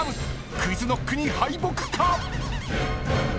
ＱｕｉｚＫｎｏｃｋに敗北か⁉］